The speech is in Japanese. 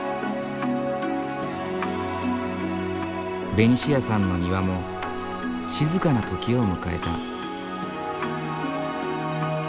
ベニシアさんの庭も静かな時を迎えた。